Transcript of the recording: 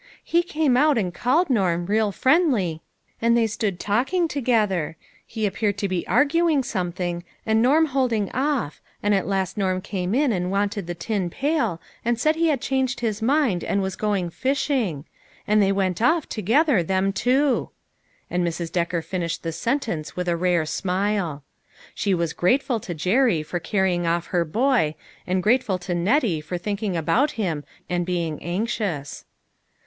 he came out and called Norm, real friendly, and they stood talk ing together ; he appeared to be arguing some LONG STORIES TO TELL. 137 thing, and Norm holding off, and at last Norm came in and wanted the tin pail and said he had changed his mind and was going fishing ; and they went off together, them two." And Mrs. Decker finished the sentence with a rare smile. She was grateful to Jerry for carrying off her boy, and grateful to Nettie for thinking about him and being anxious.